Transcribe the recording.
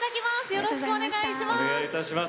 よろしくお願いします。